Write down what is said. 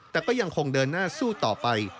แต่ก็ยังคงเดินหน้าสู้ต่อไป